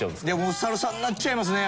お猿さんになっちゃいますね！